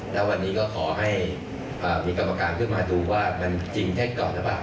แต่วันนี้ก็ขอให้มีกรรมการขึ้นมาดูว่ามันจริงแค่ก่อนแล้ว